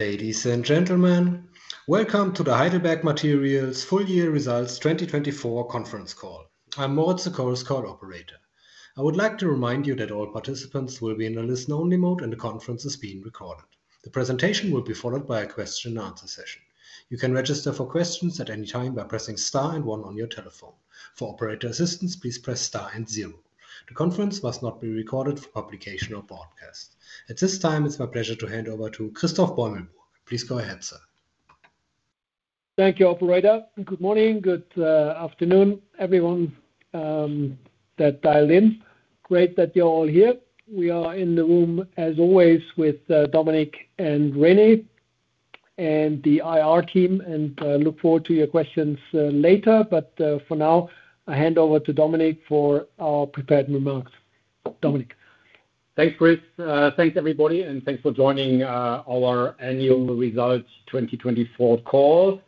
Ladies and gentlemen, welcome to the Heidelberg Materials Full Year Results 2024 conference call. I'm Moritz, the call operator. I would like to remind you that all participants will be in a listen-only mode, and the conference is being recorded. The presentation will be followed by a question-and-answer session. You can register for questions at any time by pressing star and one on your telephone. For operator assistance, please press star and zero. The conference must not be recorded for publication or broadcast. At this time, it's my pleasure to hand over to Christoph Beumelburg. Please go ahead, sir. Thank you, operator. Good morning, good afternoon, everyone that dialed in. Great that you're all here. We are in the room, as always, with Dominik and René and the IR team, and I look forward to your questions later. But for now, I hand over to Dominik for our prepared remarks. Dominik. Thanks, Chris. Thanks, everybody, and thanks for joining our annual results 2024 call.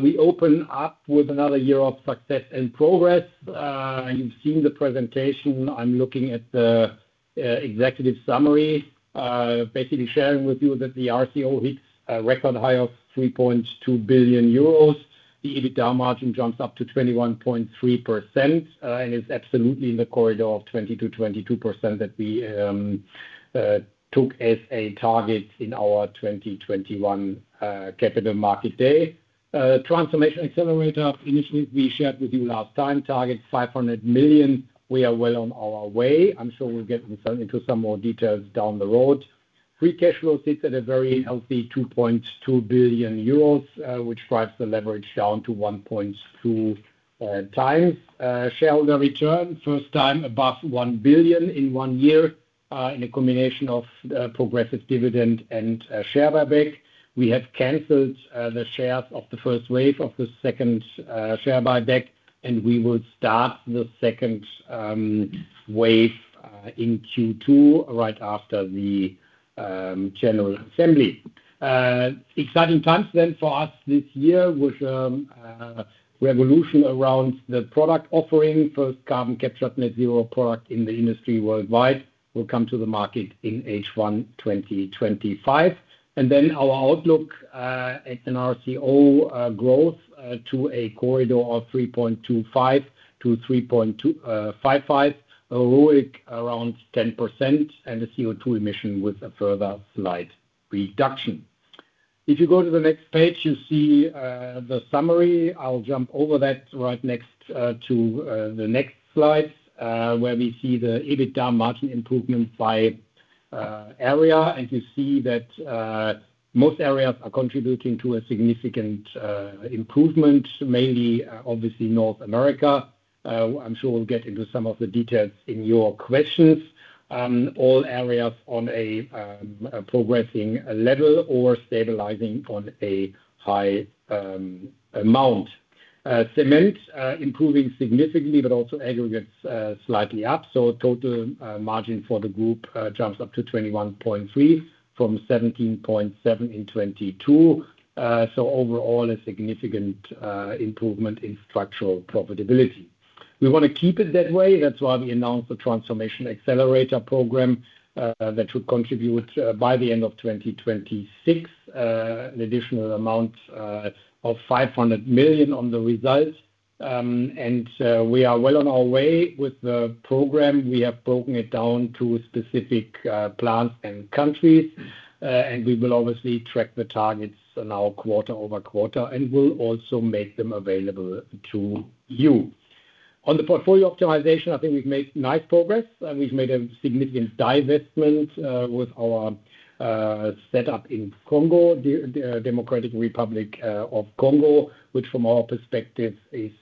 We open up with another year of success and progress. You've seen the presentation. I'm looking at the executive summary, basically sharing with you that the RCO hits a record high of € 3.2 billion. The EBITDA margin jumps up to 21.3% and is absolutely in the corridor of 20%-22% that we took as a target in our 2021 Capital Markets Day. Transformation Accelerator, initially we shared with you last time, target € 500 million. We are well on our way. I'm sure we'll get into some more details down the road. Free cash flow sits at a very healthy € 2.2 billion, which drives the leverage down to 1.2x. Shareholder return, first time above € 1 billion in one year in a combination of progressive dividend and share buyback. We have canceled the shares of the first wave of the second share buyback, and we will start the second wave in Q2 right after the General Assembly. Exciting times then for us this year, with a revolution around the product offering, first carbon captured net zero product in the industry worldwide, will come to the market in H1 2025, and then our outlook at an RCO growth to a corridor of 3.25%-3.55%, an ROIC around 10%, and the CO2 emission with a further slight reduction. If you go to the next page, you see the summary. I'll jump over that right next to the next slide, where we see the EBITDA margin improvement by area, and you see that most areas are contributing to a significant improvement, mainly, obviously, North America. I'm sure we'll get into some of the details in your questions. All areas on a progressing level or stabilizing on a high amount. Cement improving significantly, but also aggregates slightly up. So total margin for the group jumps up to 21.3% from 17.7% in 2022. So overall, a significant improvement in structural profitability. We want to keep it that way. That's why we announced the Transformation Accelerator program that should contribute by the end of 2026, an additional amount of €500 million on the results. And we are well on our way with the program. We have broken it down to specific plants and countries, and we will obviously track the targets now quarter over quarter and will also make them available to you. On the portfolio optimization, I think we've made nice progress. We've made a significant divestment with our setup in Congo, the Democratic Republic of the Congo, which from our perspective is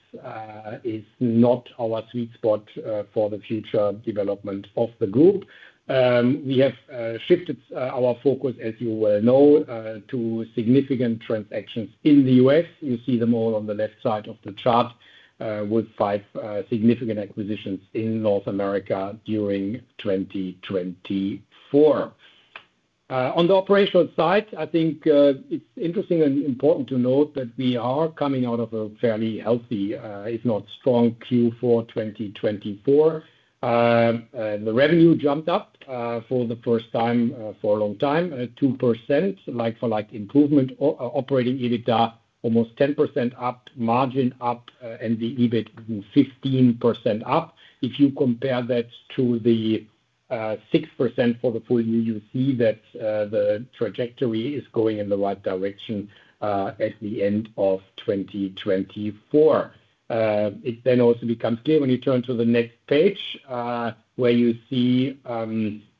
not our sweet spot for the future development of the group. We have shifted our focus, as you well know, to significant transactions in the US. You see them all on the left side of the chart with five significant acquisitions in North America during 2024. On the operational side, I think it's interesting and important to note that we are coming out of a fairly healthy, if not strong, Q4 2024. The revenue jumped up for the first time for a long time, 2%, like-for-like improvement, operating EBITDA almost 10% up, margin up, and the EBIT 15% up. If you compare that to the 6% for the full year, you see that the trajectory is going in the right direction at the end of 2024. It then also becomes clear when you turn to the next page, where you see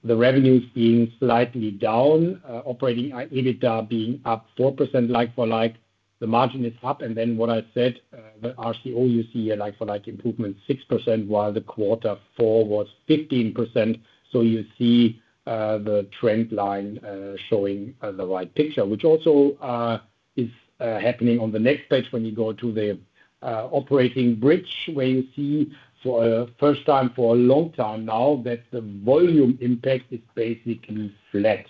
the revenues being slightly down, operating EBITDA being up 4%, like-for-like. The margin is up. And then what I said, the RCO, you see a like-for-like improvement, 6%, while the quarter four was 15%. So you see the trend line showing the right picture, which also is happening on the next page when you go to the operating bridge, where you see for a first time for a long time now that the volume impact is basically flat.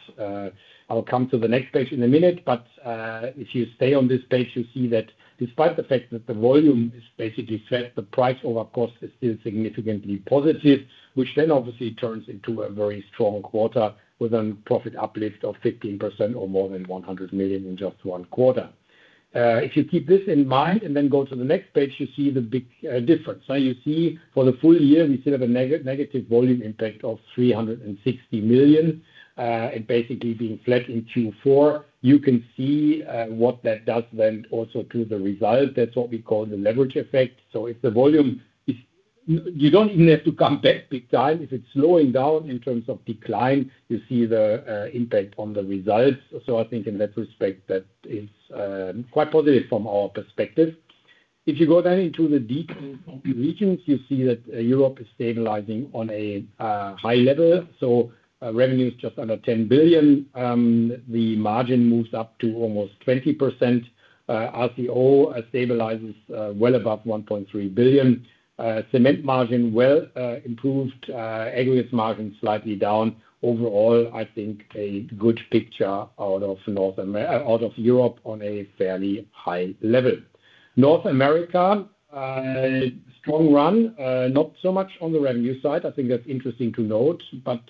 I'll come to the next page in a minute. But if you stay on this page, you see that despite the fact that the volume is basically flat, the price over cost is still significantly positive, which then obviously turns into a very strong quarter with a profit uplift of 15% or more than €100 million in just one quarter. If you keep this in mind and then go to the next page, you see the big difference. You see for the full year, we still have a negative volume impact of €360 million. And basically being flat in Q4, you can see what that does then also to the result. That's what we call the leverage effect. So if the volume is, you don't even have to come back big time. If it's slowing down in terms of decline, you see the impact on the results. So I think in that respect, that is quite positive from our perspective. If you go then into the deeper regions, you see that Europe is stabilizing on a high level. So revenue is just under €10 billion. The margin moves up to almost 20%. RCO stabilizes well above €1.3 billion. Cement margin well improved. Aggregates margin slightly down. Overall, I think a good picture out of North America, out of Europe on a fairly high level. North America, strong run, not so much on the revenue side. I think that's interesting to note, but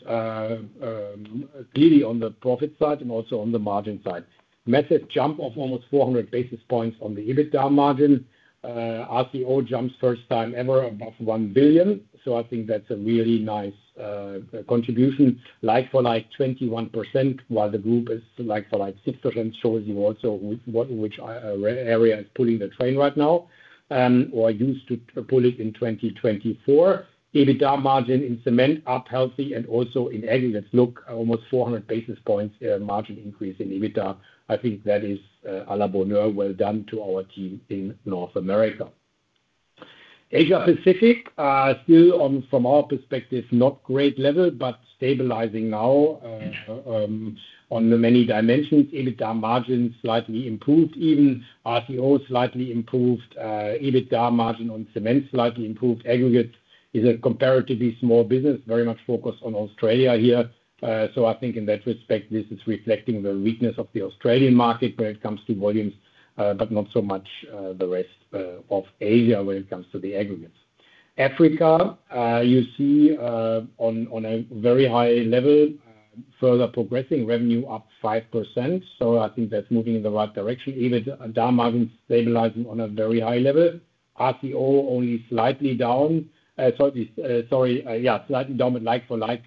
clearly on the profit side and also on the margin side. Massive jump of almost 400 basis points on the EBITDA margin. RCO jumps first time ever above €1 billion. So I think that's a really nice contribution, like-for-like 21%, while the group is like-for-like 6%. It shows you also which area is pulling the train right now or used to pull it in 2024. EBITDA margin in cement up healthy and also in aggregates. Look, almost 400 basis points margin increase in EBITDA. I think that is a la bonne heure. Well done to our team in North America. Asia-Pacific, still from our perspective, not great level, but stabilizing now on the many dimensions. EBITDA margin slightly improved, even RCO slightly improved. EBITDA margin on cement slightly improved. Aggregates is a comparatively small business, very much focused on Australia here. So I think in that respect, this is reflecting the weakness of the Australian market when it comes to volumes, but not so much the rest of Asia when it comes to the aggregates. Africa, you see on a very high level, further progressing revenue up 5%. So I think that's moving in the right direction. EBITDA margin stabilizing on a very high level. RCO only slightly down. Sorry, yeah, slightly down, but like-for-like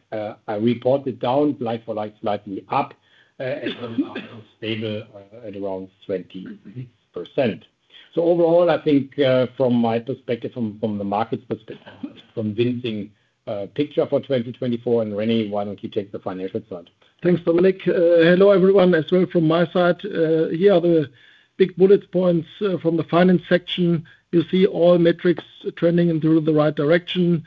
reported down, like-for-like slightly up, and stable at around 26%. So overall, I think from my perspective, from the market's perspective, convincing picture for 2024. And René, why don't you take the financial side? Thanks, Dominik. Hello everyone as well from my side. Here are the big bullet points from the finance section. You see all metrics trending in the right direction.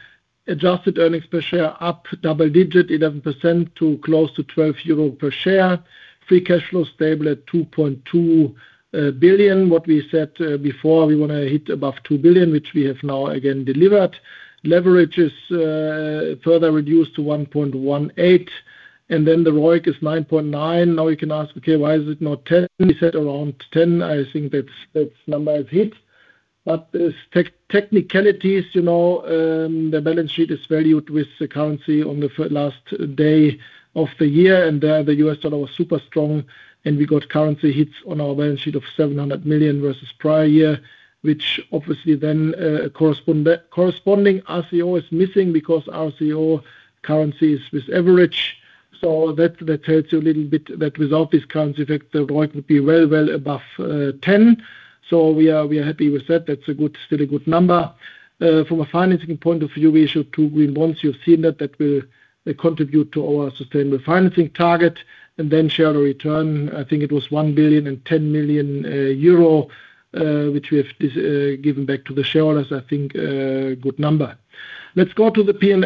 Adjusted earnings per share up double digit, 11% to close to 12 euro per share. Free cash flow stable at 2.2 billion. What we said before, we want to hit above 2 billion, which we have now again delivered. Leverage is further reduced to 1.18. And then the ROIC is 9.9. Now you can ask, okay, why is it not 10? We said around 10. I think that number is hit. But the technicalities, you know, the balance sheet is valued with the currency on the last day of the year. And then the U.S. dollar was super strong. We got currency hits on our balance sheet of 700 million versus prior year, which obviously then corresponding RCO is missing because RCO currency is with average. So that tells you a little bit that without this currency effect, the ROIC would be well, well above 10. So we are happy with that. That's still a good number. From a financing point of view, we issued two green bonds. You've seen that that will contribute to our sustainable financing target. And then shareholder return, I think it was 1 billion and 10 million euro, which we have given back to the shareholders. I think a good number. Let's go to the P&L.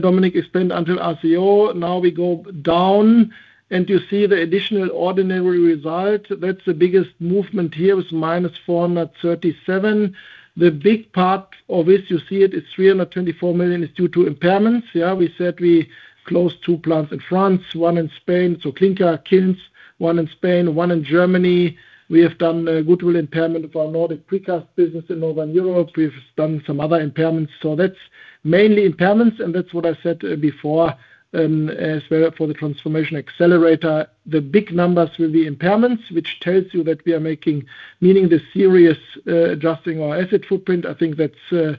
Dominik, explain until RCO. Now we go down. And you see the additional ordinary result. That's the biggest movement here is minus € 437. The big part of this, you see it is € 324 million is due to impairments. Yeah, we said we closed two plants in France, one in Spain. So clinker kilns, one in Spain, one in Germany. We have done a goodwill impairment of our Nordic precast business in Northern Europe. We've done some other impairments. So that's mainly impairments. And that's what I said before as well for the Transformation Accelerator. The big numbers will be impairments, which tells you that we are making meaningful serious adjustments to our asset footprint. I think that's a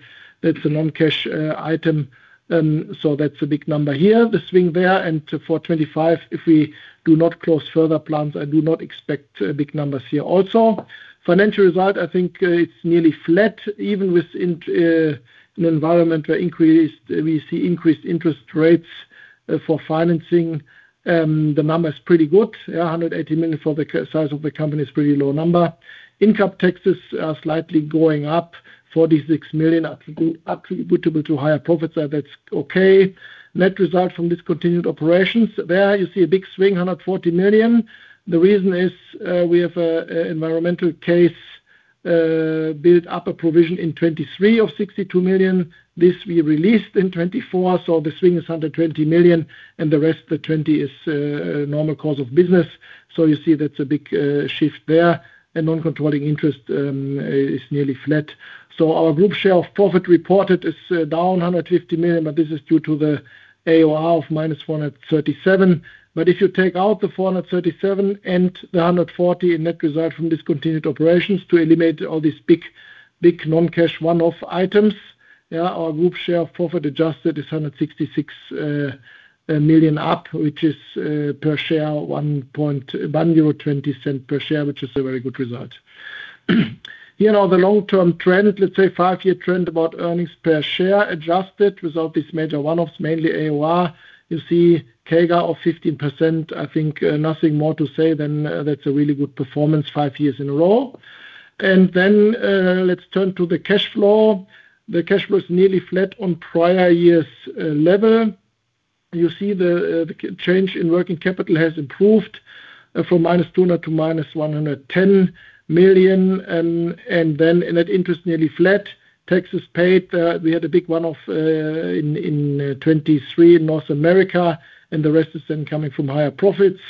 non-cash item. So that's a big number here, the swing there. And for 2025, if we do not close further plants, I do not expect big numbers here also. Financial result, I think it's nearly flat, even within an environment where we see increased interest rates for financing. The number is pretty good. Yeah, 180 million for the size of the company is a pretty low number. Income taxes are slightly going up, 46 million attributable to higher profits. That's okay. Net result from discontinued operations, there you see a big swing, 140 million. The reason is we have an environmental case built up a provision in 2023 of 62 million. This we released in 2024. The swing is 120 million. The rest, the 20 is normal cause of business. You see that's a big shift there. Non-controlling interest is nearly flat. Our group share of profit reported is down 150 million, but this is due to the AOR of minus 437. If you take out the 437 and the 140 in net result from discontinued operations to eliminate all these big non-cash one-off items, yeah, our group share of profit adjusted is 166 million up, which is per share 1.20 euro per share, which is a very good result. Here are the long-term trends. Let's say five-year trend about earnings per share adjusted without these major one-offs, mainly AOR. You see CAGR of 15%. I think nothing more to say than that's a really good performance five years in a row. And then let's turn to the cash flow. The cash flow is nearly flat on prior year's level. You see the change in working capital has improved from -200 million to -110 million. And then net interest nearly flat. Taxes paid, we had a big one-off in 2023 in North America. And the rest is then coming from higher profits.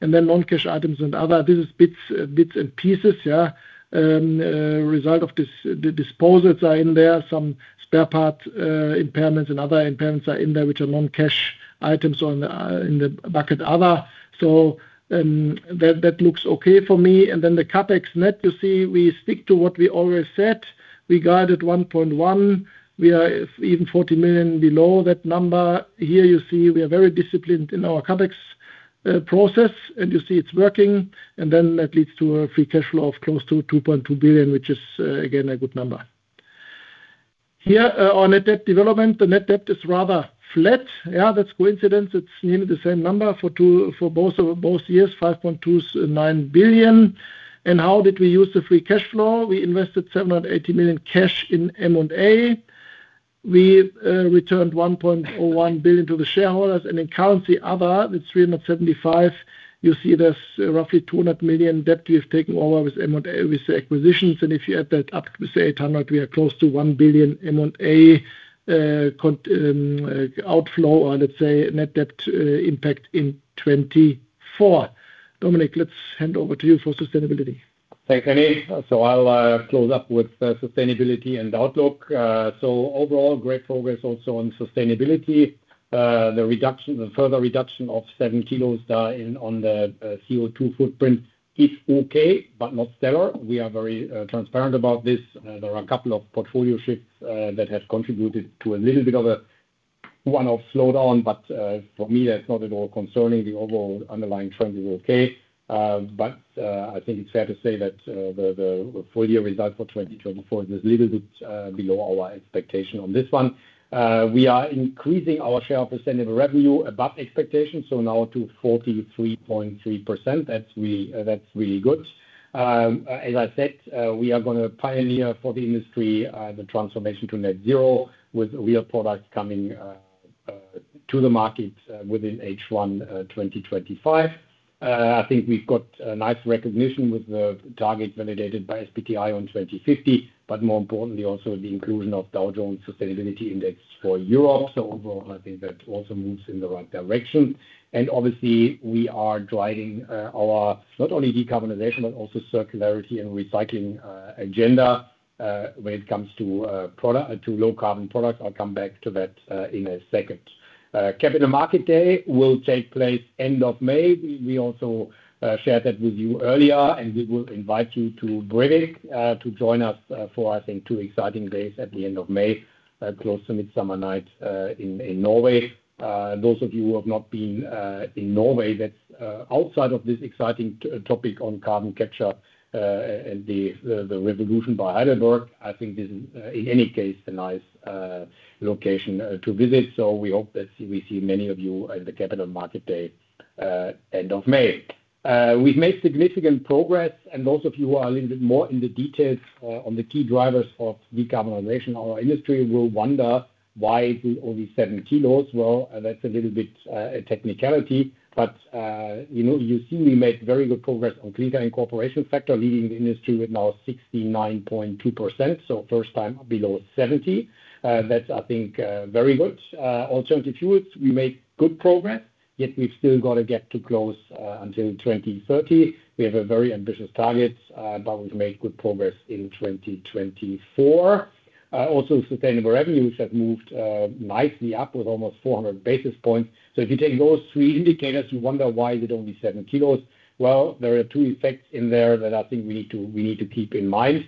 And then non-cash items and other, this is bits and pieces, yeah. Result of the disposals are in there. Some spare part impairments and other impairments are in there, which are non-cash items in the bucket other. So that looks okay for me. And then the CapEx net, you see we stick to what we always said. We guided 1.1. We are even 40 million below that number. Here you see we are very disciplined in our CapEx process. And you see it's working. And then that leads to a free cash flow of close to 2.2 billion, which is again a good number. Here on net debt development, the net debt is rather flat. Yeah, that's coincidence. It's nearly the same number for both years. 5.29 billion. And how did we use the free cash flow? We invested 780 million cash in M&A. We returned 1.01 billion to the shareholders. And in currency other, the 375, you see there's roughly 200 million debt we've taken over with M&A, with the acquisitions. And if you add that up, we say 800, we are close to 1 billion M&A outflow or let's say net debt impact in 2024. Dominik, let's hand over to you for sustainability. Thanks, René. So I'll close up with sustainability and outlook. So overall, great focus also on sustainability. The further reduction of seven kilos on the CO2 footprint is okay, but not stellar. We are very transparent about this. There are a couple of portfolio shifts that have contributed to a little bit of a one-off slowdown. But for me, that's not at all concerning. The overall underlying trend is okay. But I think it's fair to say that the full year result for 2024 is a little bit below our expectation on this one. We are increasing our share of percent of revenue above expectations, so now to 43.3%. That's really good. As I said, we are going to pioneer for the industry the transformation to net zero with real products coming to the market within H1 2025. I think we've got a nice recognition with the targets validated by SBTi on 2050, but more importantly, also the inclusion of Dow Jones Sustainability Index for Europe, so overall, I think that also moves in the right direction, and obviously, we are driving our not only decarbonization, but also circularity and recycling agenda when it comes to low carbon products. I'll come back to that in a second. Capital Market Day will take place end of May. We also shared that with you earlier, and we will invite you to Brevik to join us for, I think, two exciting days at the end of May, close to midsummer night in Norway. Those of you who have not been in Norway, that's outside of this exciting topic on carbon capture and the revolution by Heidelberg. I think this is, in any case, a nice location to visit. So we hope that we see many of you at the Capital Markets Day end of May. We've made significant progress. And those of you who are a little bit more in the details on the key drivers of decarbonization, our industry will wonder why it will only seven kilos. Well, that's a little bit a technicality. But you see we made very good progress on clinker incorporation factor, leading the industry with now 69.2%. So first time below 70. That's, I think, very good. Alternative fuels, we made good progress. Yet we've still got to get to close until 2030. We have a very ambitious target, but we've made good progress in 2024. Also, sustainable revenues have moved nicely up with almost 400 basis points. So if you take those three indicators, you wonder why is it only seven kilos? There are two effects in there that I think we need to keep in mind.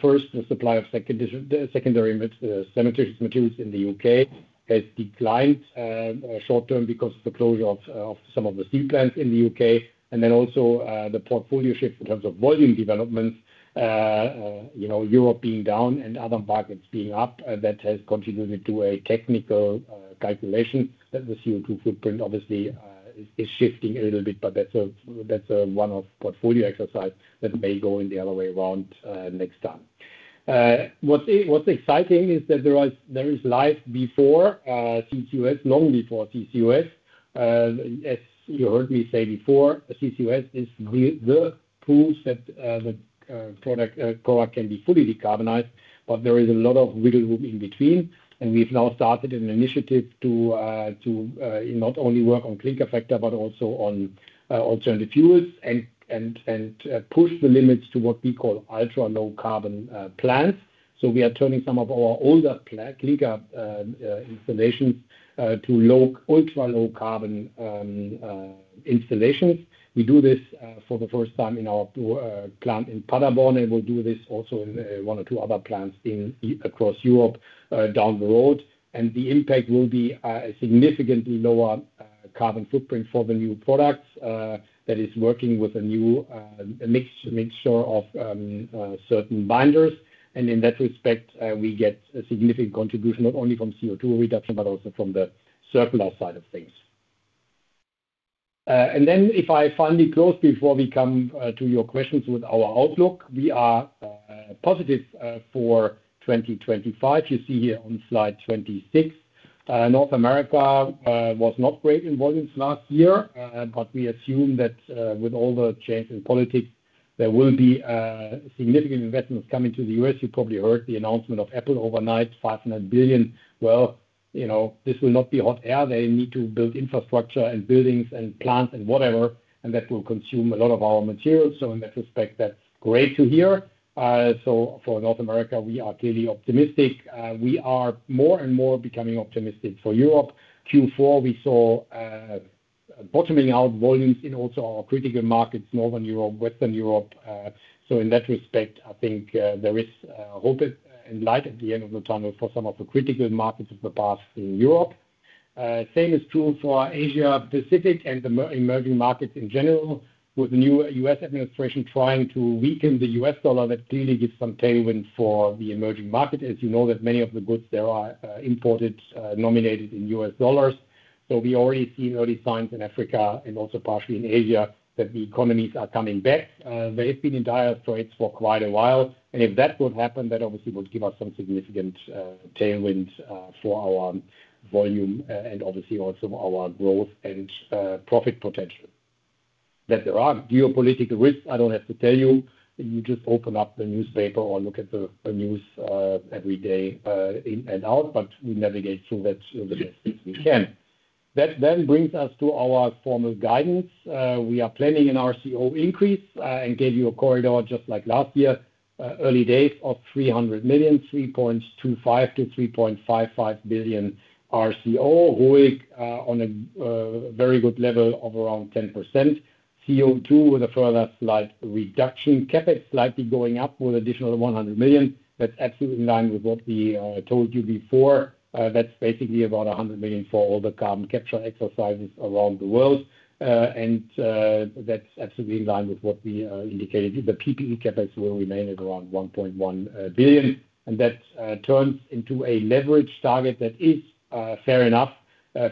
First, the supply of secondary cementitious materials in the UK has declined short term because of the closure of some of the steel plants in the UK. And then also the portfolio shift in terms of volume developments, Europe being down and other markets being up. That has contributed to a technical calculation that the CO2 footprint obviously is shifting a little bit. But that's a one-off portfolio exercise that may go in the other way around next time. What's exciting is that there is life before CCUS, long before CCUS. As you heard me say before, CCUS is the proof that the product can be fully decarbonized. But there is a lot of wiggle room in between. We've now started an initiative to not only work on clinker factor, but also on alternative fuels and push the limits to what we call ultra low carbon plants. We are turning some of our older clinker installations to ultra low carbon installations. We do this for the first time in our plant in Paderborn. We'll do this also in one or two other plants across Europe down the road. The impact will be a significantly lower carbon footprint for the new products that is working with a mixture of certain binders. In that respect, we get a significant contribution not only from CO2 reduction, but also from the circular side of things. Then if I finally close before we come to your questions with our outlook, we are positive for 2025. You see here on slide 26, North America was not great in volumes last year. But we assume that with all the change in politics, there will be significant investments coming to the U.S. You probably heard the announcement of Apple overnight, 500 billion. Well, this will not be hot air. They need to build infrastructure and buildings and plants and whatever. And that will consume a lot of our materials. So in that respect, that's great to hear. So for North America, we are clearly optimistic. We are more and more becoming optimistic for Europe. Q4, we saw bottoming out volumes in also our critical markets, Northern Europe, Western Europe. So in that respect, I think there is hope and light at the end of the tunnel for some of the critical markets of the past in Europe. Same is true for Asia-Pacific and the emerging markets in general, with the new US administration trying to weaken the US dollar that clearly gives some tailwind for the emerging market. As you know, that many of the goods there are imported, denominated in US dollars. So we already see early signs in Africa and also partially in Asia that the economies are coming back. They have been in dire straits for quite a while. And if that would happen, that obviously would give us some significant tailwind for our volume and obviously also our growth and profit potential. That there are geopolitical risks, I don't have to tell you. You just open up the newspaper or look at the news every day in and out. But we navigate through that as best as we can. That then brings us to our formal guidance. We are planning an RCO increase and gave you a corridor just like last year, early days of 300 million, 3.25-3.55 billion RCO, ROIC on a very good level of around 10%. CO2 with a further slight reduction. CapEx slightly going up with additional 100 million. That's absolutely in line with what we told you before. That's basically about 100 million for all the carbon capture exercises around the world. And that's absolutely in line with what we indicated. The PPE CapEx will remain at around 1.1 billion. And that turns into a leverage target that is fair enough,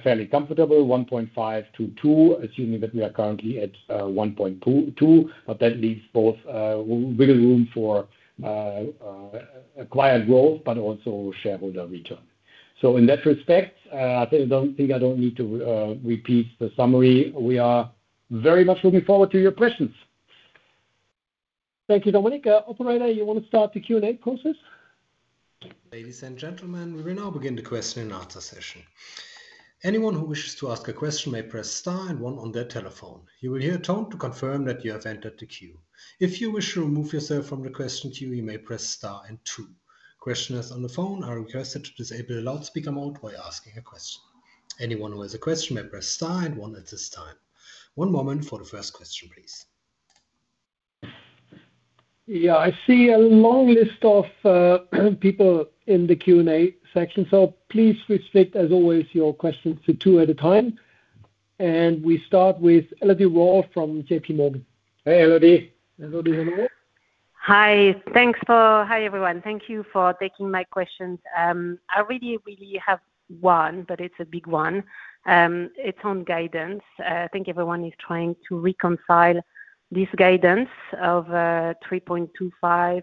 fairly comfortable, 1.5-2, assuming that we are currently at 1.2. But that leaves both wiggle room for acquired growth, but also shareholder return. So in that respect, I don't think I don't need to repeat the summary. We are very much looking forward to your questions. Thank you, Dominik. Operator, you want to start the Q&A process? Ladies and gentlemen, we will now begin the question and answer session. Anyone who wishes to ask a question may press star and one on their telephone. You will hear a tone to confirm that you have entered the queue. If you wish to remove yourself from the question queue, you may press star and two. Questioners on the phone are requested to disable the loudspeaker mode while asking a question. Anyone who has a question may press star and one at this time. One moment for the first question, please. Yeah, I see a long list of people in the Q&A section. So please restrict, as always, your questions to two at a time. And we start with Elodie Rall from J.P. Morgan. Hey, Elodie. Hi, thanks. Hi everyone. Thank you for taking my questions. I really, really have one, but it's a big one. It's on guidance. I think everyone is trying to reconcile this guidance of 3.25 to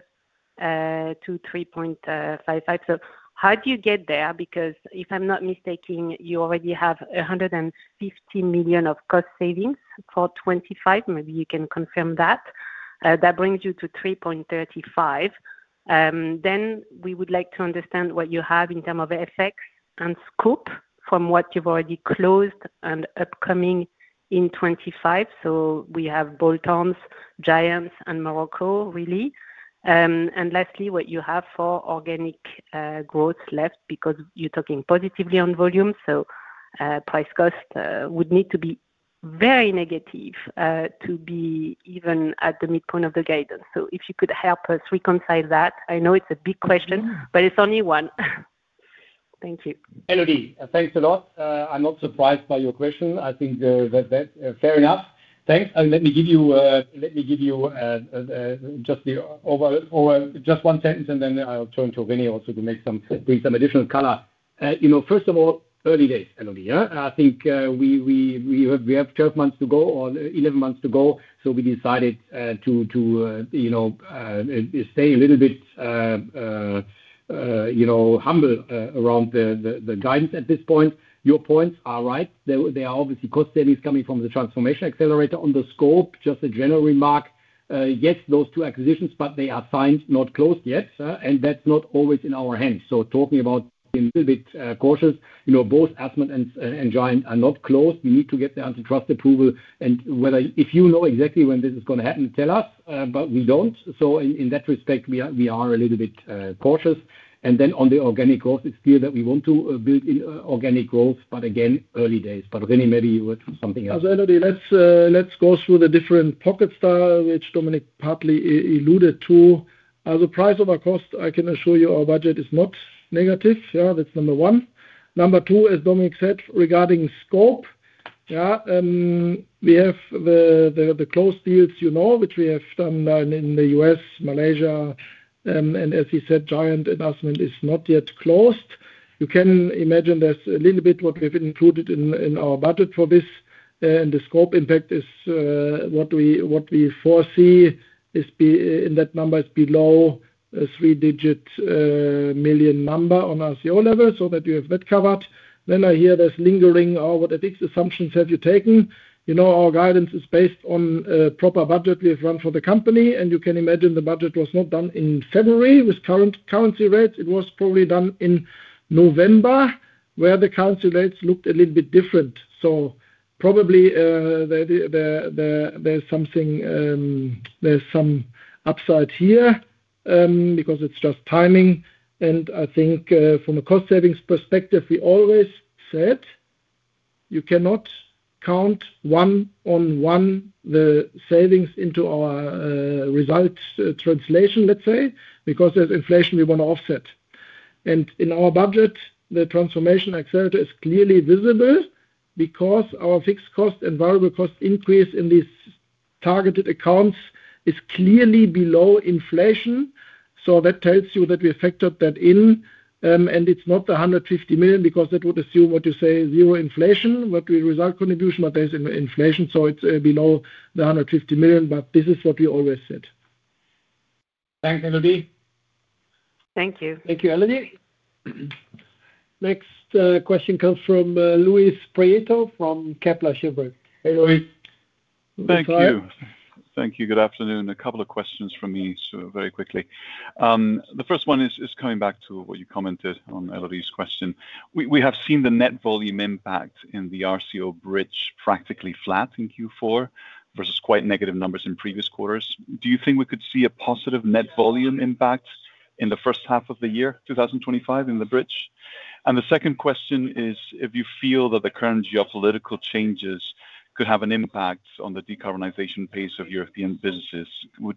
3.55. So how do you get there? Because if I'm not mistaken, you already have 150 million of cost savings for 2025. Maybe you can confirm that. That brings you to 3.35. Then we would like to understand what you have in terms of effects and scope from what you've already closed and upcoming in 2025. So we have Bolton, Giants, and Morocco, really. And lastly, what you have for organic growth left because you're talking positively on volume. So price cost would need to be very negative to be even at the midpoint of the guidance. So if you could help us reconcile that. I know it's a big question, but it's only one. Thank you. Elodie, thanks a lot. I'm not surprised by your question. I think that's fair enough. Thanks. And let me give you just one sentence, and then I'll turn to René also to bring some additional color. First of all, early days, Elodie. I think we have 12 months to go or 11 months to go. So we decided to stay a little bit humble around the guidance at this point. Your points are right. There are obviously cost savings coming from the Transformation Accelerator on the scope. Just a general remark. Yes, those two acquisitions, but they are signed, not closed yet. And that's not always in our hands. So talking about being a little bit cautious. Both Axtman and Giant are not closed. We need to get their antitrust approval. And if you know exactly when this is going to happen, tell us. But we don't. So in that respect, we are a little bit cautious. And then on the organic growth, it's clear that we want to build in organic growth, but again, early days. But René, maybe you were something else. As Elodie, let's go through the different pocket style, which Dominik partly alluded to. As a price over cost, I can assure you our budget is not negative. That's number one. Number two, as Dominik said, regarding scope. We have the closed deals, which we have done in the US, Malaysia. And as he said, Giant and Axtman is not yet closed. You can imagine there's a little bit what we've included in our budget for this. And the scope impact is what we foresee in that number is below a three-digit million number on RCO level so that you have that covered. Then I hear there's lingering or what are these assumptions have you taken? Our guidance is based on proper budget we've run for the company. And you can imagine the budget was not done in February with current currency rates. It was probably done in November, where the currency rates looked a little bit different. So probably there's something, there's some upside here because it's just timing. And I think from a cost savings perspective, we always said you cannot count one on one the savings into our result translation, let's say, because there's inflation we want to offset. And in our budget, the transformation accelerator is clearly visible because our fixed cost and variable cost increase in these targeted accounts is clearly below inflation. So that tells you that we factored that in. And it's not the 150 million because that would assume what you say, zero inflation, what we result contribution, but there's inflation. So it's below the 150 million. But this is what we always said. Thanks, Elodie. Thank you. Thank you, Elodie. Next question comes from Luis Prieto from Kepler Cheuvreux. Hey, Luis. Thank you. Thank you. Good afternoon. A couple of questions from me very quickly. The first one is coming back to what you commented on Elodie's question. We have seen the net volume impact in the RCO bridge practically flat in Q4 versus quite negative numbers in previous quarters. Do you think we could see a positive net volume impact in the first half of the year 2025 in the bridge? And the second question is, if you feel that the current geopolitical changes could have an impact on the decarbonization pace of European businesses,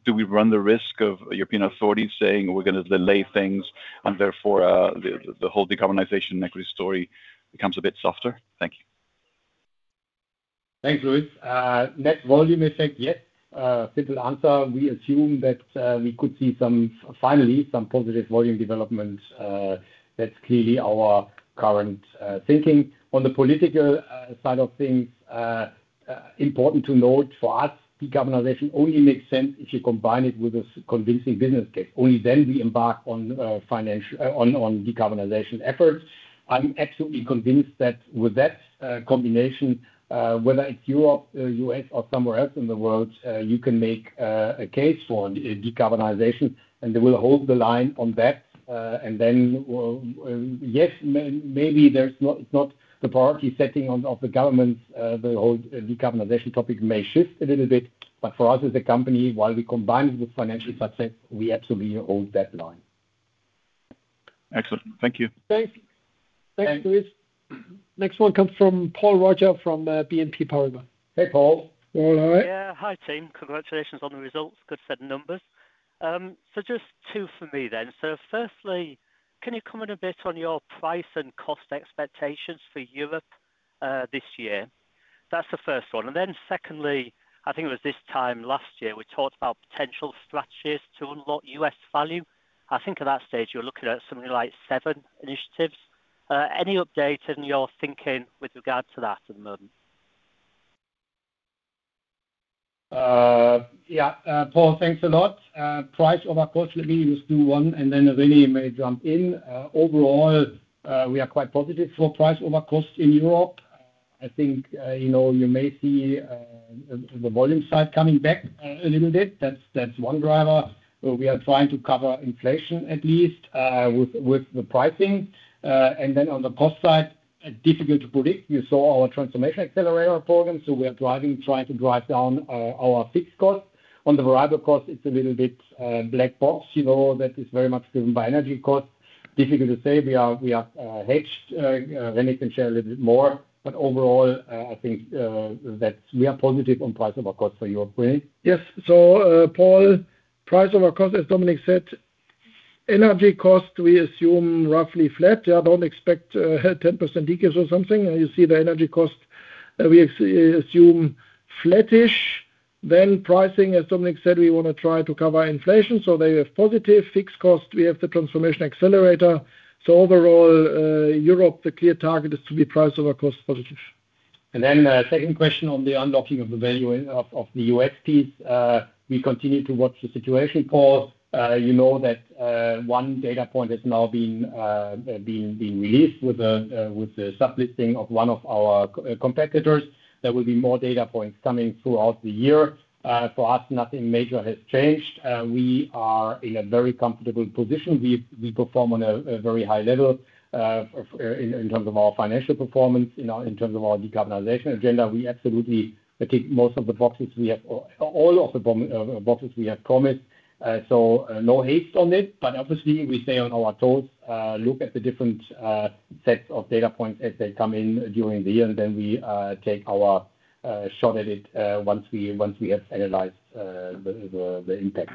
do we run the risk of European authorities saying, "We're going to delay things," and therefore the whole decarbonization equity story becomes a bit softer? Thank you. Thanks, Luis. Net volume effect, yes. Simple answer, we assume that we could see finally some positive volume development. That's clearly our current thinking. On the political side of things, important to note for us, decarbonization only makes sense if you combine it with a convincing business case. Only then we embark on decarbonization efforts. I'm absolutely convinced that with that combination, whether it's Europe, U.S., or somewhere else in the world, you can make a case for decarbonization. And they will hold the line on that. And then, yes, maybe it's not the priority setting of the governments. The whole decarbonization topic may shift a little bit. But for us as a company, while we combine with financial success, we absolutely hold that line. Excellent. Thank you. Thanks. Thanks, Luis. Next one comes from Paul Roger from BNP Paribas. Hey, Paul. All right. Yeah, hi, team. Congratulations on the results. Good set of numbers. So just two for me then. So firstly, can you comment a bit on your price and cost expectations for Europe this year? That's the first one. And then secondly, I think it was this time last year, we talked about potential strategies to unlock US value. I think at that stage, you're looking at something like seven initiatives. Any updates in your thinking with regard to that at the moment? Yeah, Paul, thanks a lot. Price over cost, let me just do one, and then René may jump in. Overall, we are quite positive for price over cost in Europe. I think you may see the volume side coming back a little bit. That's one driver. We are trying to cover inflation at least with the pricing. And then on the cost side, difficult to predict. You saw our Transformation Accelerator program. So we are trying to drive down our fixed cost. On the variable cost, it's a little bit black box. That is very much driven by energy cost. Difficult to say. We are hedged. René can share a little bit more. But overall, I think we are positive on price over cost for Europe. Yes. So Paul, price over cost, as Dominik said, energy cost, we assume roughly flat. I don't expect 10% decrease or something. You see the energy cost, we assume flattish. Then pricing, as Dominik said, we want to try to cover inflation. So they have positive fixed cost. We have the Transformation Accelerator. So overall, Europe, the clear target is to be price over cost positive. And then second question on the unlocking of the value of the U.S. piece. We continue to watch the situation, Paul. You know that one data point has now been released with the sub-listing of one of our competitors. There will be more data points coming throughout the year. For us, nothing major has changed. We are in a very comfortable position. We perform on a very high level in terms of our financial performance, in terms of our decarbonization agenda. We absolutely tick most of the boxes we have, all of the boxes we have promised. So no haste on it. But obviously, we stay on our toes, look at the different sets of data points as they come in during the year. And then we take our shot at it once we have analyzed the impact.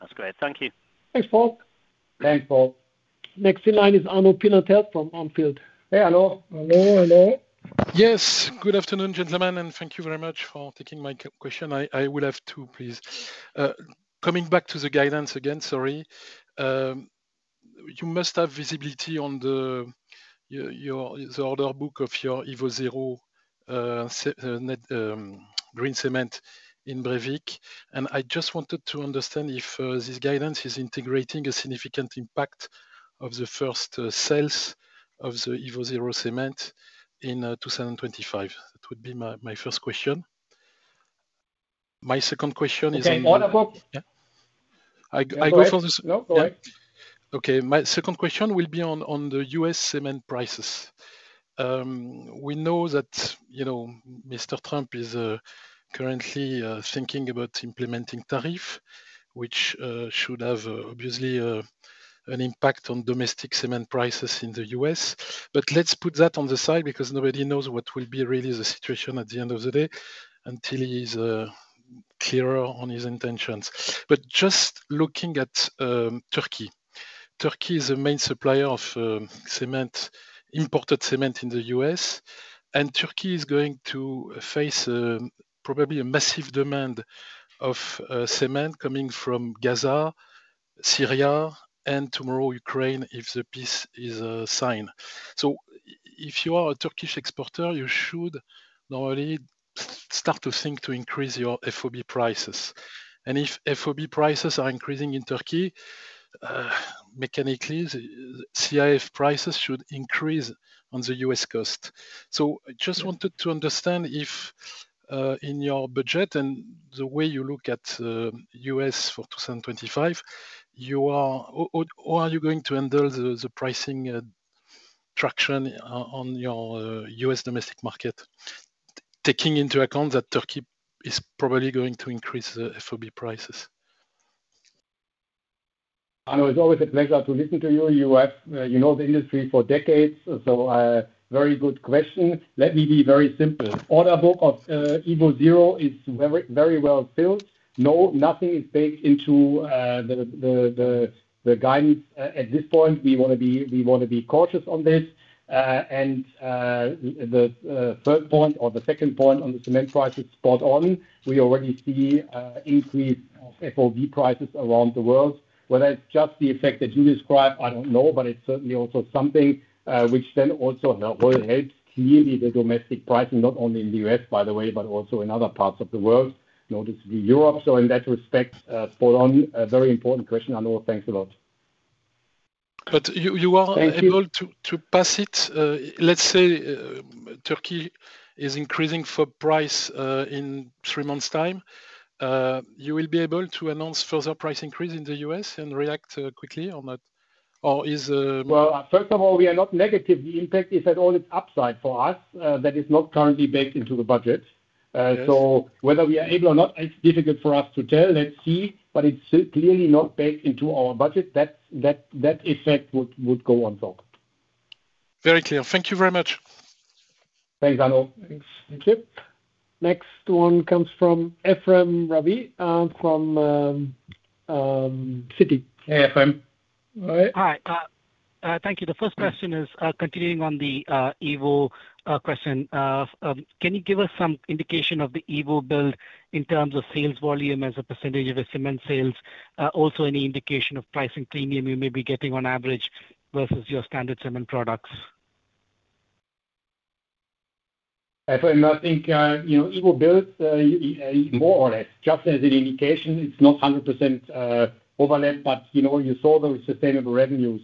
That's great. Thank you. Thanks, Paul. Thanks, Paul. Next in line is Arno Pillatel from ODDO BHF. Hey, Arno. Hello, hello. Yes, good afternoon, gentlemen. And thank you very much for taking my question. I will have to, please. Coming back to the guidance again, sorry. You must have visibility on the order book of your EvoZero green cement in Brevik. And I just wanted to understand if this guidance is integrating a significant impact of the first sales of the EvoZero cement in 2025. That would be my first question. My second question is on. Okay. Order book. I go for this. No, go ahead. Okay. My second question will be on the US cement prices. We know that Mr. Trump is currently thinking about implementing tariffs, which should have obviously an impact on domestic cement prices in the US. But let's put that on the side because nobody knows what will be really the situation at the end of the day until he is clearer on his intentions. But just looking at Turkey, Turkey is a main supplier of cement, imported cement in the US. And Turkey is going to face probably a massive demand of cement coming from Gaza, Syria, and tomorrow, Ukraine, if the peace is signed. So if you are a Turkish exporter, you should normally start to think to increase your FOB prices. And if FOB prices are increasing in Turkey, mechanically, CIF prices should increase on the US coast. So I just wanted to understand if in your budget and the way you look at U.S. for 2025, or are you going to handle the pricing traction on your U.S. domestic market, taking into account that Turkey is probably going to increase the FOB prices? It's always a pleasure to listen to you. You know the industry for decades. So very good question. Let me be very simple. Order book of EvoZero is very well filled. No, nothing is baked into the guidance at this point. We want to be cautious on this. And the third point or the second point on the cement prices spot on. We already see an increase of FOB prices around the world. Whether it's just the effect that you describe, I don't know, but it's certainly also something which then also will help clearly the domestic pricing, not only in the U.S., by the way, but also in other parts of the world, noticeably Europe. So in that respect, spot on. Very important question, Arno. Thanks a lot. But you are able to pass it. Let's say Turkey is increasing the price in three months' time. You will be able to announce further price increase in the U.S. and react quickly or not? Or is? First of all, we are not negative. The impact is all upside for us. That is not currently baked into the budget. So whether we are able or not, it's difficult for us to tell. Let's see. But it's clearly not baked into our budget. That effect would go on top. Very clear. Thank you very much. Thanks, Arno. Thanks. Thank you. Next one comes from Ephrem Ravi from Citi. Hey, Ephrem. Hi. Hi. Thank you. The first question is continuing on the Evo question. Can you give us some indication of the EvoBuild in terms of sales volume as a percentage of your cement sales? Also, any indication of pricing premium you may be getting on average versus your standard cement products? Ephrem, I think EvoBuild, more or less, just as an indication, it's not 100% overlap, but you saw those sustainable revenues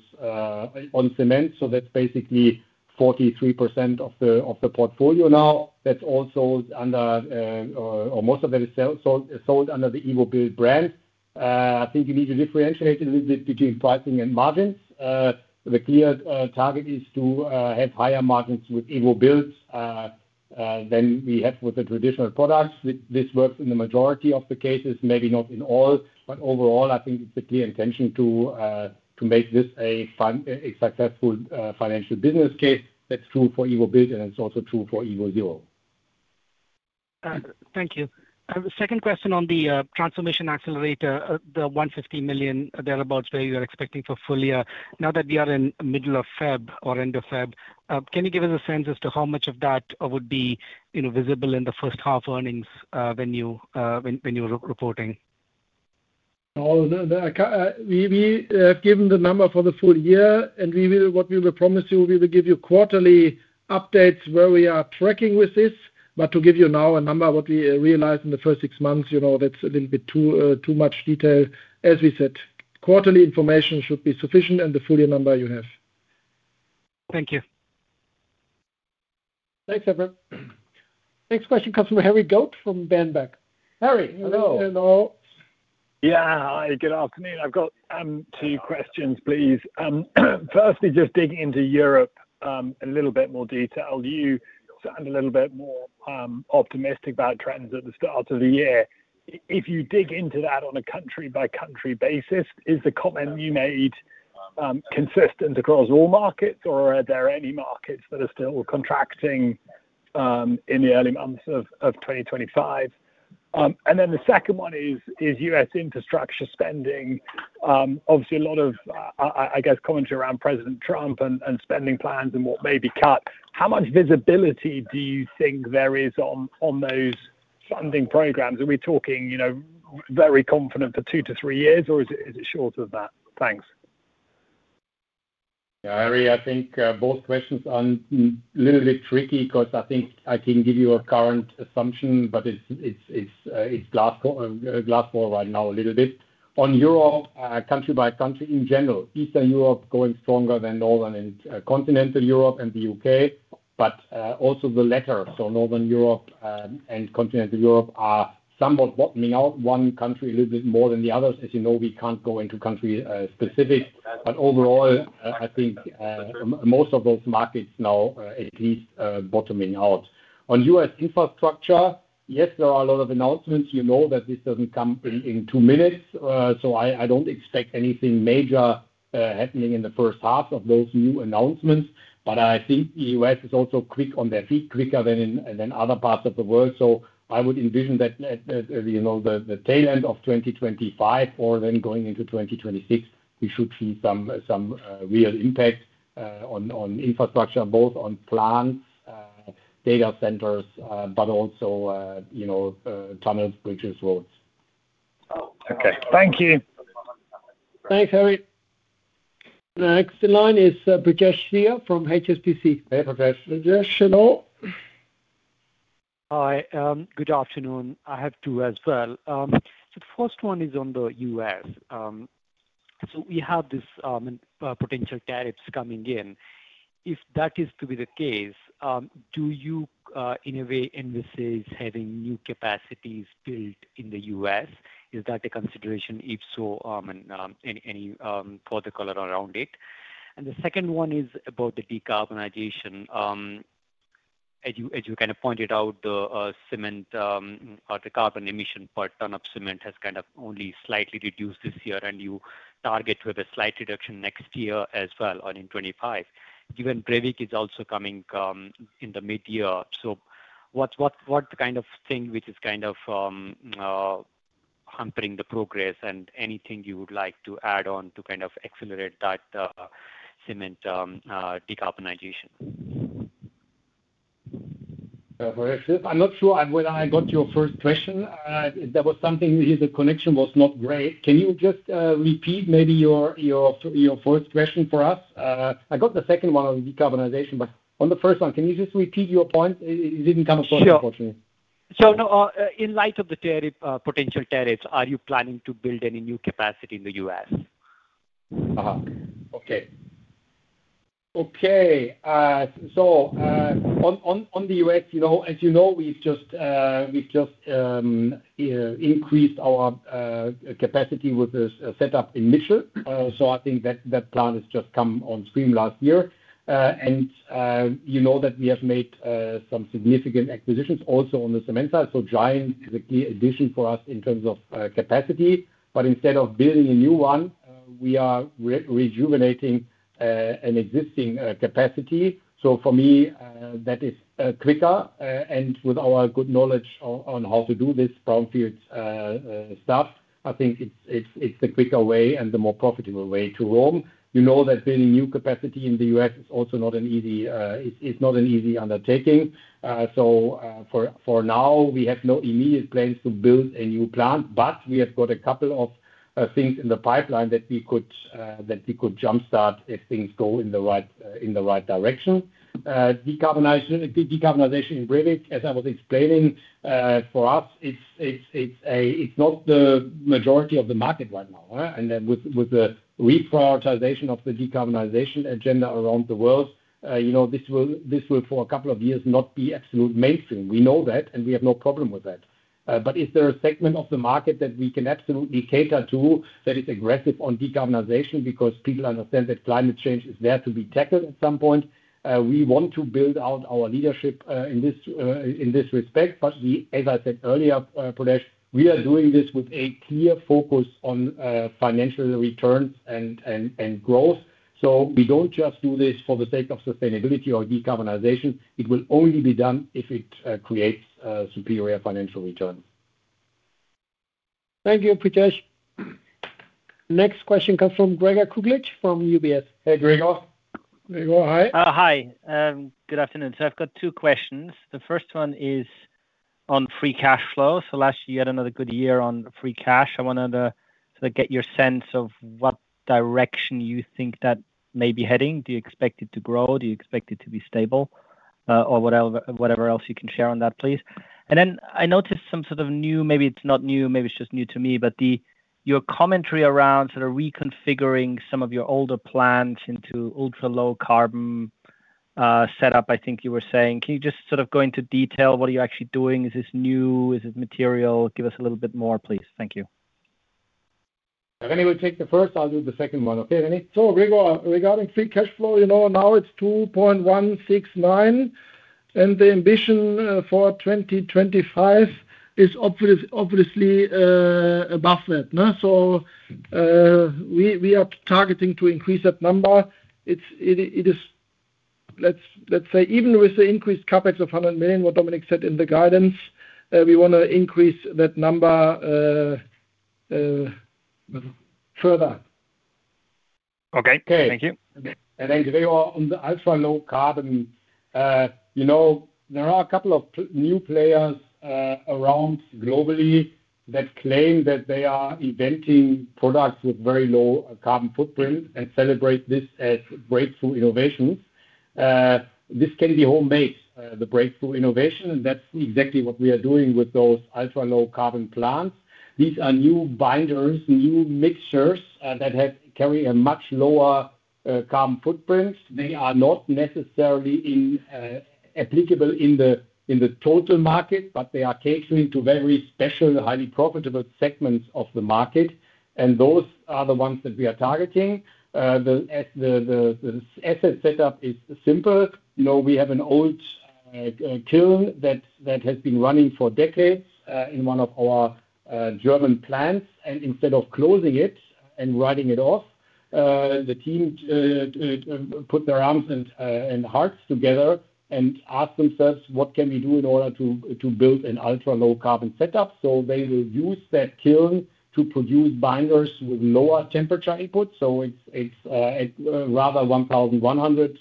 on cement. So that's basically 43% of the portfolio now. That's also under, or most of that is sold under the EvoBuild brand. I think you need to differentiate a little bit between pricing and margins. The clear target is to have higher margins with EvoBuild than we have with the traditional products. This works in the majority of the cases, maybe not in all, but overall, I think it's a clear intention to make this a successful financial business case. That's true for EvoBuild, and it's also true for EvoZero. Thank you. Second question on the Transformation Accelerator, the 150 million thereabouts where you are expecting for full year. Now that we are in middle of February or end of February, can you give us a sense as to how much of that would be visible in the first half earnings when you are reporting? Oh, we have given the number for the full year, and what we will promise you, we will give you quarterly updates where we are tracking with this. But to give you now a number, what we realized in the first six months, that's a little bit too much detail. As we said, quarterly information should be sufficient and the full year number you have. Thank you. Thanks, Ephrem. Next question comes from Harry Goad from Berenberg. Harry. Hello. Hello. Yeah. Hi. Good afternoon. I've got two questions, please. Firstly, just digging into Europe a little bit more detail. You sound a little bit more optimistic about trends at the start of the year. If you dig into that on a country-by-country basis, is the comment you made consistent across all markets, or are there any markets that are still contracting in the early months of 2025? And then the second one is U.S. infrastructure spending. Obviously, a lot of, I guess, commentary around President Trump and spending plans and what may be cut. How much visibility do you think there is on those funding programs? Are we talking very confident for two to three years, or is it shorter than that? Thanks. Yeah, Harry, I think both questions are a little bit tricky because I think I can give you a current assumption, but it's crystal ball right now a little bit. On Europe, country-by-country in general, Eastern Europe going stronger than Northern and Continental Europe and the U.K., but also the latter. So Northern Europe and Continental Europe are somewhat bottoming out. One country a little bit more than the others. As you know, we can't go into country-specific, but overall, I think most of those markets now at least bottoming out. On U.S. infrastructure, yes, there are a lot of announcements. You know that this doesn't come in two minutes. So I don't expect anything major happening in the first half of those new announcements. But I think the U.S. is also quick on their feet, quicker than other parts of the world. So I would envision that the tail end of 2025 or then going into 2026, we should see some real impact on infrastructure, both on plants, data centers, but also tunnels, bridges, roads. Okay. Thank you. Thanks, Harry. Next in line is Prakash Lear from HSBC. Hey, Prakash. Hello. Hi. Good afternoon. I have two as well. So the first one is on the U.S. So we have these potential tariffs coming in. If that is to be the case, do you in a way envisage having new capacities built in the U.S.? Is that a consideration? If so, any protocol around it? And the second one is about the decarbonization. As you kind of pointed out, the cement or the carbon emission per ton of cement has kind of only slightly reduced this year, and you target to have a slight reduction next year as well in 2025. Even Brevik is also coming in the mid-year. So what's the kind of thing which is kind of hampering the progress, and anything you would like to add on to kind of accelerate that cement decarbonization? I'm not sure when I got your first question. There was something here. The connection was not great. Can you just repeat maybe your first question for us? I got the second one on decarbonization, but on the first one, can you just repeat your point? It didn't come across, unfortunately. Sure. So in light of the potential tariffs, are you planning to build any new capacity in the U.S.? Okay. Okay. So on the U.S., as you know, we've just increased our capacity with a setup in Mitchell. So I think that plant has just come on stream last year. And you know that we have made some significant acquisitions also on the cement side. So Giant is a key addition for us in terms of capacity. But instead of building a new one, we are rejuvenating an existing capacity. So for me, that is quicker. And with our good knowledge on how to do this Brownfield stuff, I think it's the quicker way and the more profitable way to grow. You know that building new capacity in the U.S. is also not an easy undertaking. So for now, we have no immediate plans to build a new plant, but we have got a couple of things in the pipeline that we could jump-start if things go in the right direction. Decarbonization in Brevik, as I was explaining, for us, it's not the majority of the market right now, and then with the reprioritization of the decarbonization agenda around the world, this will, for a couple of years, not be absolute mainstream. We know that, and we have no problem with that. But is there a segment of the market that we can absolutely cater to that is aggressive on decarbonization because people understand that climate change is there to be tackled at some point? We want to build out our leadership in this respect, but as I said earlier, Prakash, we are doing this with a clear focus on financial returns and growth. So we don't just do this for the sake of sustainability or decarbonization. It will only be done if it creates superior financial returns. Thank you, Prakash. Next question comes from Gregor Kuglitsch from UBS. Hey, Gregor. Gregor, hi. Hi. Good afternoon. So I've got two questions. The first one is on free cash flow. So last year, you had another good year on free cash. I wanted to get your sense of what direction you think that may be heading. Do you expect it to grow? Do you expect it to be stable? Or whatever else you can share on that, please. And then I noticed some sort of new, maybe it's not new, maybe it's just new to me, but your commentary around sort of reconfiguring some of your older plants into ultra-low carbon setup, I think you were saying. Can you just sort of go into detail? What are you actually doing? Is this new? Is it material? Give us a little bit more, please. Thank you. If anyone takes the first, I'll do the second one. Okay, René? Gregor, regarding free cash flow, now it's 2.169, and the ambition for 2025 is obviously above that. We are targeting to increase that number. Let's say, even with the increased CapEx of 100 million, what Dominik said in the guidance, we want to increase that number further. Okay. Thank you. And then, Gregor, on the ultra-low carbon, there are a couple of new players around globally that claim that they are inventing products with very low carbon footprint and celebrate this as breakthrough innovations. This can be homemade, the breakthrough innovation, and that's exactly what we are doing with those ultra-low carbon plants. These are new binders, new mixtures that carry a much lower carbon footprint. They are not necessarily applicable in the total market, but they are catering to very special, highly profitable segments of the market. And those are the ones that we are targeting. As the asset setup is simple, we have an old kiln that has been running for decades in one of our German plants. Instead of closing it and writing it off, the team put their arms and hearts together and asked themselves, "What can we do in order to build an ultra-low carbon setup?" They will use that kiln to produce binders with lower temperature input. It's rather 1,100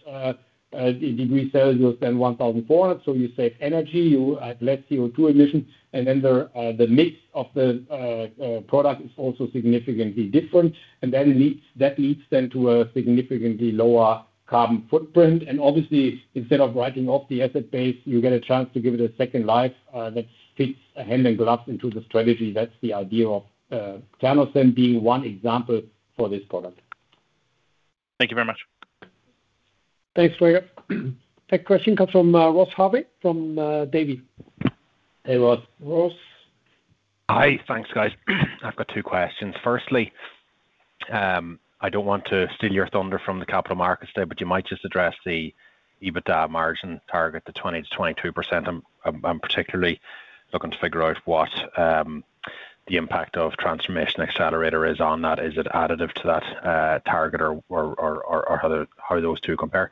degrees Celsius than 1,400. You save energy, you have less CO2 emission, and then the mix of the product is also significantly different. That leads to a significantly lower carbon footprint. Obviously, instead of writing off the asset base, you get a chance to give it a second life that fits hands and gloves into the strategy. That's the idea of Ternocem being one example for this product. Thank you very much. Thanks, Gregor. Next question comes from Ross Harvey from Davy. Hey, Ross. Ross. Hi. Thanks, guys. I've got two questions. Firstly, I don't want to steal your thunder from the capital markets today, but you might just address the EBITDA margin target, the 20%-22%. I'm particularly looking to figure out what the impact of Transformation Accelerator is on that. Is it additive to that target or how those two compare?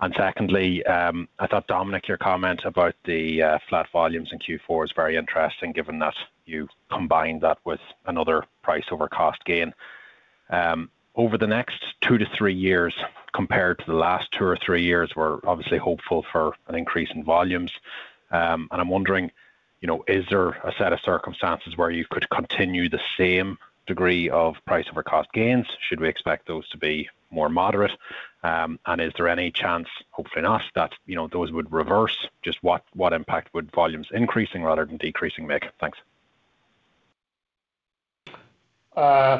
And secondly, I thought Dominik, your comment about the flat volumes in Q4 is very interesting given that you combined that with another price over cost gain. Over the next two to three years compared to the last two or three years, we're obviously hopeful for an increase in volumes. And I'm wondering, is there a set of circumstances where you could continue the same degree of price over cost gains? Should we expect those to be more moderate? And is there any chance, hopefully not, that those would reverse? Just what impact would volumes increasing rather than decreasing make? Thanks.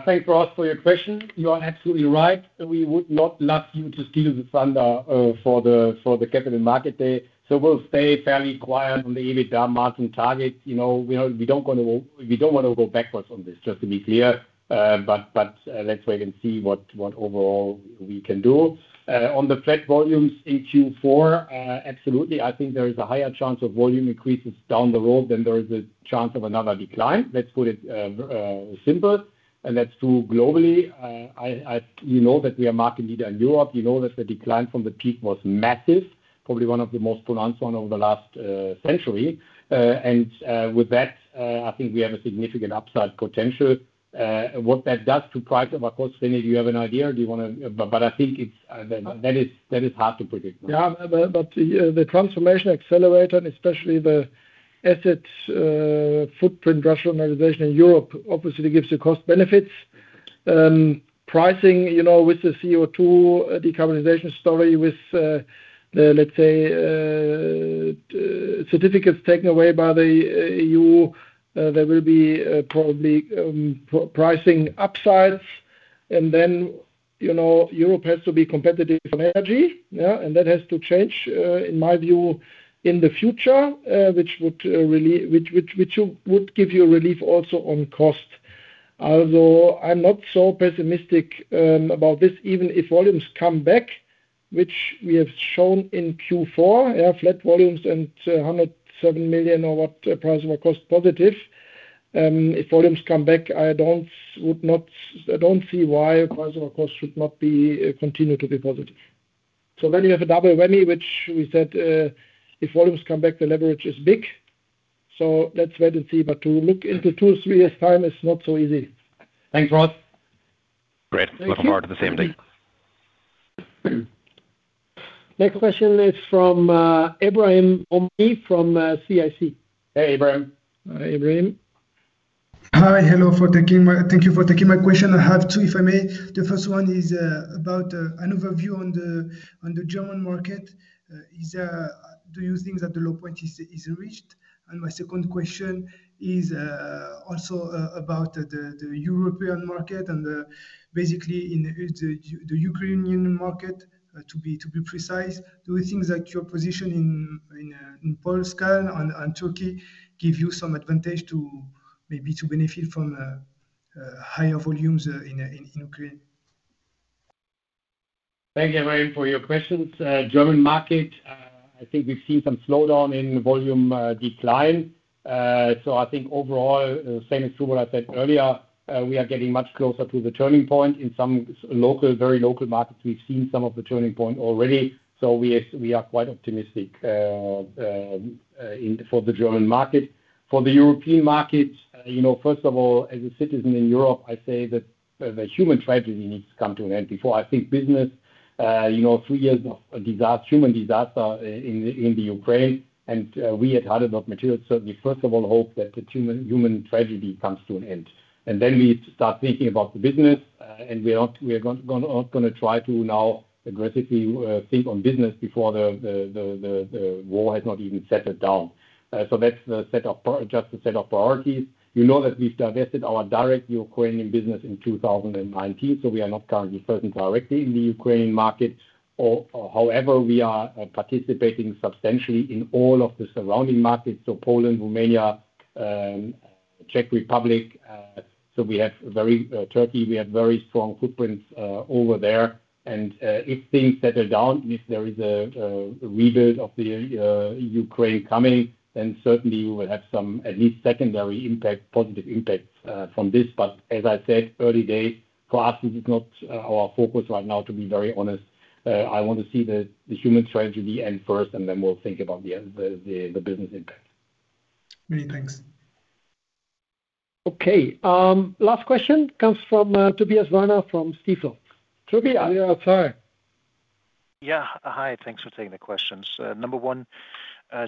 Thanks, Ross, for your question. You are absolutely right. We would not love you to steal the thunder for the capital market day. So we'll stay fairly quiet on the EBITDA margin target. We don't want to go backwards on this, just to be clear. But let's wait and see what overall we can do. On the flat volumes in Q4, absolutely, I think there is a higher chance of volume increases down the road than there is a chance of another decline. Let's put it simple, and that's true globally. You know that we are market leader in Europe. You know that the decline from the peak was massive, probably one of the most pronounced ones over the last century. And with that, I think we have a significant upside potential. What that does to price of, of course, René, do you have an idea? Do you want to? But I think that is hard to predict. Yeah, but the Transformation Accelerator, and especially the asset footprint rationalization in Europe, obviously gives you cost benefits. Pricing with the CO2 decarbonization story with, let's say, certificates taken away by the EU, there will be probably pricing upsides. And then Europe has to be competitive on energy, and that has to change, in my view, in the future, which would give you a relief also on cost. Although I'm not so pessimistic about this, even if volumes come back, which we have shown in Q4, flat volumes and 107 million or what price over cost positive. If volumes come back, I don't see why price over cost should not continue to be positive. So then you have a double whammy, which we said, if volumes come back, the leverage is big. So that's where to see. But to look into two or three years' time is not so easy. Thanks, Ross. Great. Looking forward to the same thing. Next question is from Ebrahim Homani from CIC. Hey, Ebrahim. Hi, Ebrahim. Hi, hello. Thank you for taking my question. I have two, if I may. The first one is about an overview on the German market. Do you think that the low point is reached? And my second question is also about the European market and basically the Ukrainian market, to be precise. Do you think that your position in Poland, Scandinavia, and Turkey gives you some advantage to maybe benefit from higher volumes in Ukraine? Thank you, Ebrahim, for your questions. German market, I think we've seen some slowdown in volume decline. So I think overall, same as what I said earlier, we are getting much closer to the turning point. In some local, very local markets, we've seen some of the turning point already. So we are quite optimistic for the German market. For the European market, first of all, as a citizen in Europe, I say that the human tragedy needs to come to an end. Before I think business, three years of human disaster in the Ukraine, and we at Heidelberg Materials certainly, first of all, hope that the human tragedy comes to an end. And then we start thinking about the business, and we are not going to try to now aggressively think on business before the war has not even settled down. So that's just a set of priorities. You know that we've divested our direct Ukrainian business in 2019, so we are not currently present directly in the Ukrainian market. However, we are participating substantially in all of the surrounding markets, so Poland, Romania, Czech Republic. So, Turkey, we have very strong footprints over there. And if things settle down, if there is a rebuild of the Ukraine coming, then certainly we will have some at least secondary positive impacts from this. But as I said, early days, for us, this is not our focus right now, to be very honest. I want to see the human tragedy end first, and then we'll think about the business impact. Many thanks. Okay. Last question comes from Tobias Woerner from Stifel. Tobias, sorry. Yeah, hi. Thanks for taking the questions. Number one,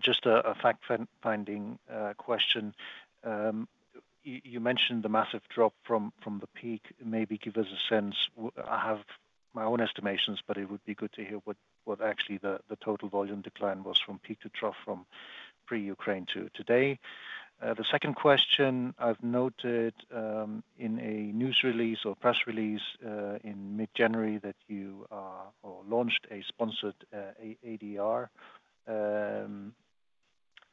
just a fact-finding question. You mentioned the massive drop from the peak. Maybe give us a sense. I have my own estimations, but it would be good to hear what actually the total volume decline was from peak to drop from pre-Ukraine to today. The second question, I've noted in a news release or press release in mid-January that you launched a sponsored ADR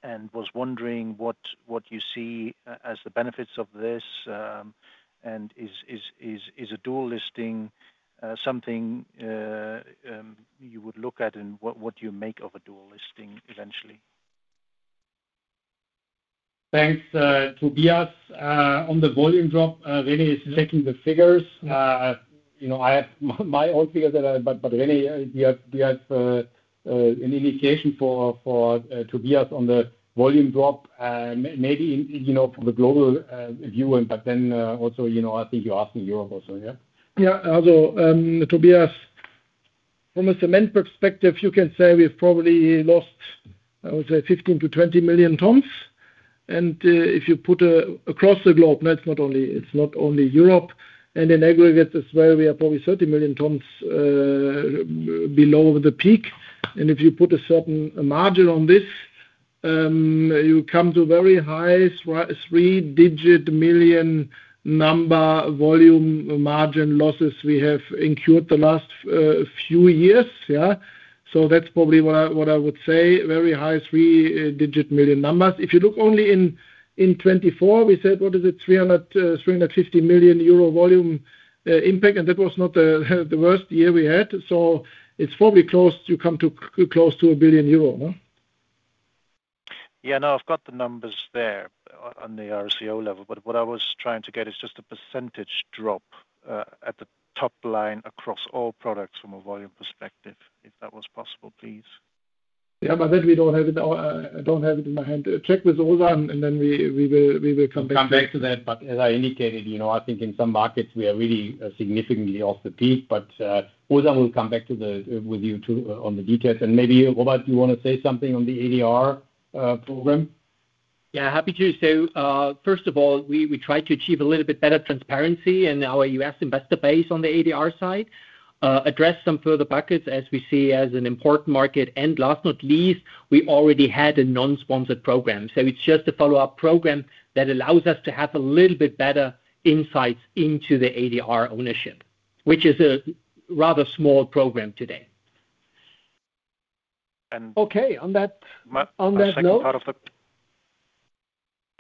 and was wondering what you see as the benefits of this. And is a dual listing something you would look at and what you make of a dual listing eventually? Thanks, Tobias. On the volume drop, René is checking the figures. I have my own figures, but René, do you have an indication for Tobias on the volume drop? Maybe for the global view, but then also I think you're asking Europe also, yeah? Yeah. Also, Tobias, from a cement perspective, you can say we've probably lost, I would say, 15-20 million tons. And if you put across the globe, it's not only Europe and in aggregate as well, we are probably 30 million tons below the peak. And if you put a certain margin on this, you come to very high three-digit million number volume margin losses we have incurred the last few years. Yeah. So that's probably what I would say, very high three-digit million numbers. If you look only in 2024, we said, what is it, 350 million euro volume impact, and that was not the worst year we had. So it's probably close to you come to close to 1 billion euro. Yeah, no, I've got the numbers there on the RCO level, but what I was trying to get is just a percentage drop at the top line across all products from a volume perspective, if that was possible, please. Yeah, but that. We don't have it in our. I don't have it in my hand. Check with Ozan, and then we will come back to that. We'll come back to that, but as I indicated, I think in some markets we are really significantly off the peak, but Ozan will come back with you on the details. And maybe, Robert, do you want to say something on the ADR program? Yeah, happy to. So first of all, we tried to achieve a little bit better transparency in our U.S. investor base on the ADR side, address some further buckets as we see as an important market. And last but not least, we already had a non-sponsored program. So it's just a follow-up program that allows us to have a little bit better insights into the ADR ownership, which is a rather small program today. Okay. On that note.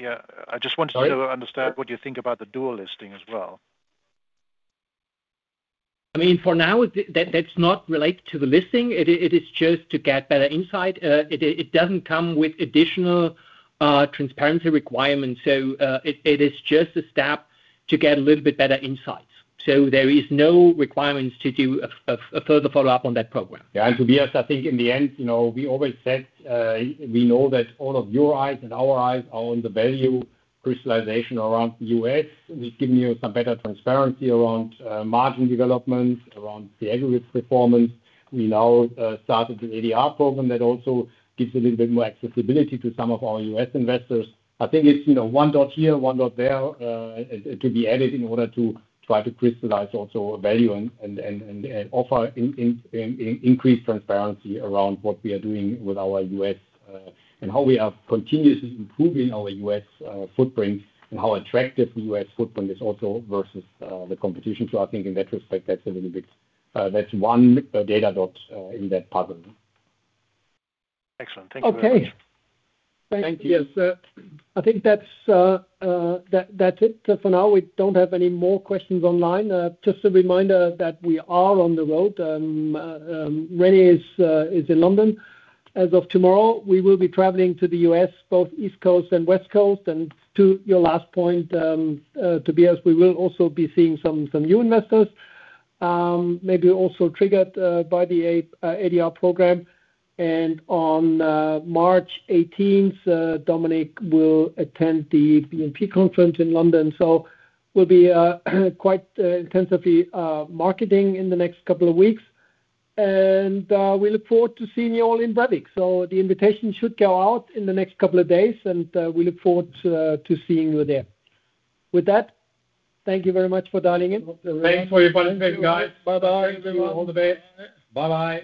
Yeah. I just wanted to understand what you think about the dual listing as well. I mean, for now, that's not related to the listing. It is just to get better insight. It doesn't come with additional transparency requirements. So it is just a step to get a little bit better insights. So there are no requirements to do a further follow-up on that program. Yeah. And Tobias, I think in the end, we always said we know that all of your eyes and our eyes are on the value crystallization around the US. We've given you some better transparency around margin development, around the aggregate performance. We now started the ADR program that also gives a little bit more accessibility to some of our US investors. I think it's one data point here, one data point there to be added in order to try to crystallize also value and offer increased transparency around what we are doing with our US and how we are continuously improving our US footprint and how attractive the US footprint is also versus the competition. So I think in that respect, that's a little bit that's one data point in that puzzle. Excellent. Thank you. Okay. Thank you. I think that's it for now. We don't have any more questions online. Just a reminder that we are on the road. René is in London. As of tomorrow, we will be traveling to the U.S., both East Coast and West Coast. And to your last point, Tobias, we will also be seeing some new investors, maybe also triggered by the ADR program. And on March 18th, Dominik will attend the BNP conference in London. So we'll be quite intensively marketing in the next couple of weeks. And we look forward to seeing you all in Brevik. So the invitation should go out in the next couple of days, and we look forward to seeing you there. With that, thank you very much for dialing in. Thanks for your participation, guys. Bye-bye. Thank you. All the best. Bye-bye.